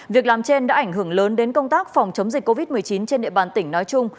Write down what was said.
việc làm trên đã ảnh hưởng lớn đến công tác phòng chống dịch covid một mươi chín trên địa bàn tỉnh nói chung